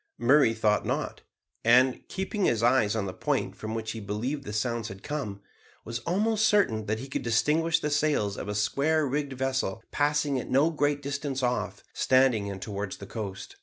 Murray thought not, and, keeping his eyes on the point from which he believed the sounds had come, was almost certain that he could distinguish the sails of a square rigged vessel passing at no great distance off, standing in towards the coast.